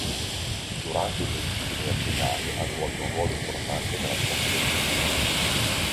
Durante i suoi studi universitari ha svolto un ruolo importante nella vita studentesca.